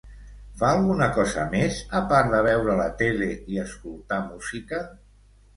Fa alguna cosa més a part de veure la tele i escoltar música?